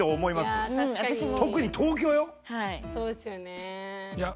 そうですよね。